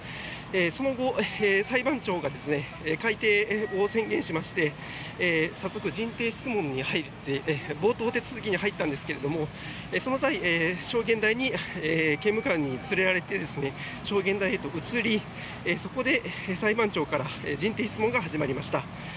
その後裁判長が開廷を宣言しまして早速、人定質問に入って冒頭手続きに入ったんですがその際、証言台に刑務官に連れられて証言台へと移りそこで裁判長から人定質問が始まりました。